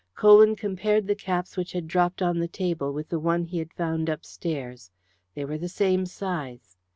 Colwyn compared the caps which had dropped on the table with the one he had found upstairs. They were the same size.